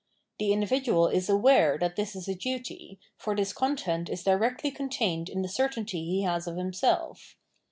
The individual is aware that this is a duty, for this content is directly contained in the certainty he has of himself.